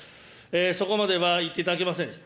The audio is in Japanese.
そこまでは言っていただけませんでした。